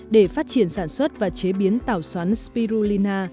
để phát triển sản xuất và chế biến tảo xoắn spirulina